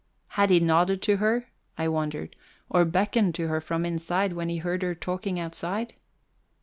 Had he nodded to her, I wondered, or beckoned to her from inside when he heard her talking outside?